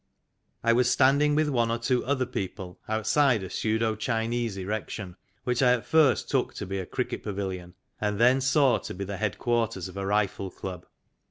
I was standing with one or two other people out side a pseudo Chinese erection, which I at first took to be a cricket pavilion, and then saw to be the head quarters of a rifle club.